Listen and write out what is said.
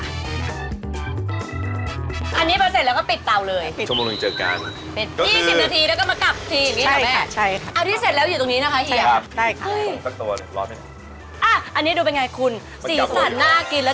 อันนี้เวลาเสร็จแล้วก็ปิดเตาเลย